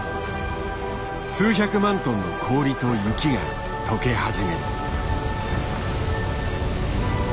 数百万トンの氷と雪がとけ始める。